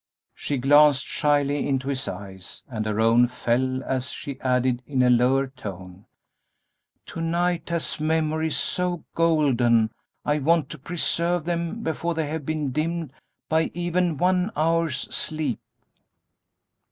She glanced shyly into his eyes, and her own fell, as she added, in a lower tone, "To night has memories so golden I want to preserve them before they have been dimmed by even one hour's sleep!"